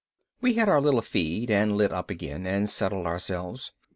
We had our little feed and lit up again and settled ourselves.